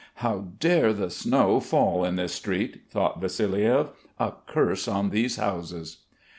"How dare the snow fall in this street?" thought Vassiliev. "A curse on these houses."